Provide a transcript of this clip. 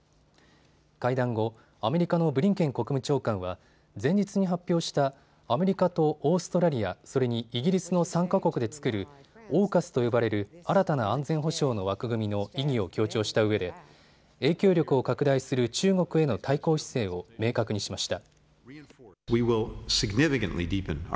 会談後、アメリカのブリンケン国務長官は前日に発表したアメリカとオーストラリア、それにイギリスの３か国で作るＡＵＫＵＳと呼ばれる新たな安全保障の枠組みの意義を強調したうえで影響力を拡大する中国への対抗姿勢を明確にしました。